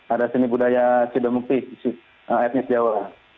ada seni budaya sidon mukti etnis jawa